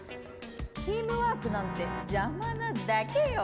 チームワークなんてじゃまなだけよ。